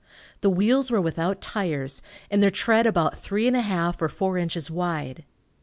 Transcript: The wheels were without tires, and their tread about three and a half or four inches wide.